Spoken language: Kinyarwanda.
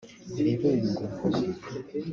Bibungo